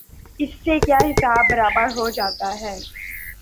اس سے کیا حساب برابر ہو جاتا ہے؟